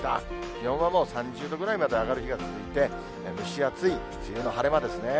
気温はもう、３０度ぐらいまで上がる日が続いて、蒸し暑い梅雨の晴れ間ですね。